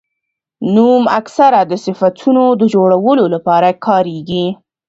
نوم اکثره د صفتونو د جوړولو له پاره کاریږي.